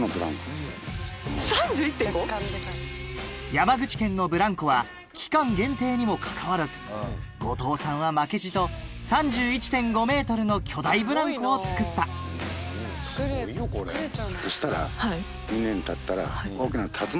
山口県のブランコは期間限定にもかかわらず後藤さんは負けじと３１．５ｍの巨大ブランコを造ったそしたら。